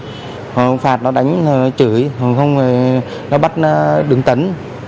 hoặc không phạt nó đánh chửi hoặc không nó bắt đứng tấn